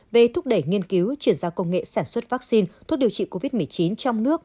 về thúc đẩy nghiên cứu chuyển giao công nghệ sản xuất vaccine thuốc điều trị covid một mươi chín trong nước